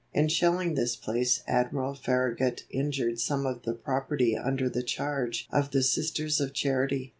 In shelling this place Admiral Farragut injured some of the property under the charge of the Sisters of Charity.